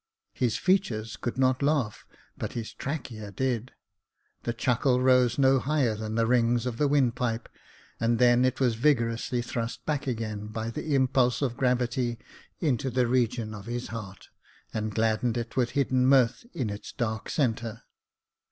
His features could not laugh, but his trachea did. The chuckle rose no higher than the rings of the windpipe, and then it was vigorously thrust back again by the im pulse of gravity into the region of his heart, and gladdened it with hidden mirth in its dark centre.